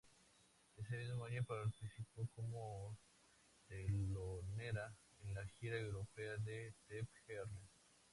Ese mismo año participó como telonera en la gira europea de Steve Earle.